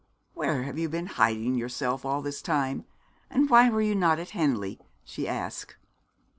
'Where have you been hiding yourself all this time, and why were you not at Henley?' she asked.